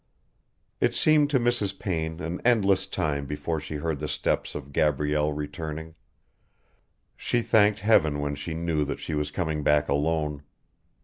XIX It seemed to Mrs. Payne an endless time before she heard the steps of Gabrielle returning. She thanked heaven when she knew that she was coming back alone.